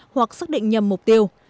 hoặc xác định nhầm mục tiêu